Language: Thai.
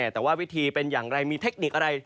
แต่ว่าวิธีเป็นอย่างไรมีเทคนิคอะไร